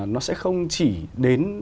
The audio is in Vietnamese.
nó sẽ không chỉ đến